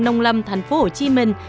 nông lâm thành phố hồ chí minh